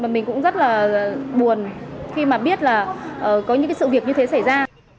mình cũng rất là buồn khi mà biết là có những sự việc như thế xảy ra